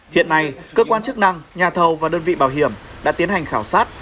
hiện nay cơ quan chức năng nhà thầu và đơn vị bảo hiểm đã tiến hành khảo sát